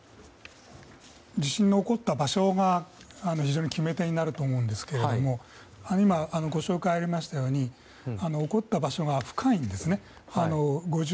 地震の起こった場所が非常に決め手になると思うんですけれども今、ご紹介がありましたように起こった場所が深いんです。